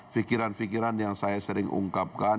fikiran fikiran yang saya sering ungkapkan